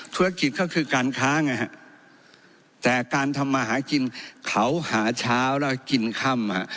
ธุรกิจก็คือการค้าไงฮะแต่การทำมาหากินเขาหาเช้าแล้วกินค่ำ